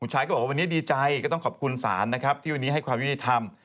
ชายก็บอกว่าวันนี้ดีใจก็ต้องขอบคุณศาลนะครับที่วันนี้ให้ความยุติธรรม